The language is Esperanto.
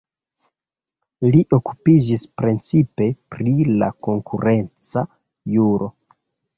Li okupiĝis precipe pri la konkurenca juro.